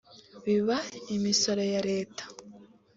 biba imisoro ya Leta